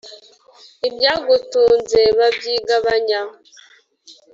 Ibyagutunze babyigabanya !